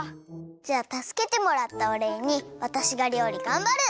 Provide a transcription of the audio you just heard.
じゃあたすけてもらったおれいにわたしがりょうりがんばる！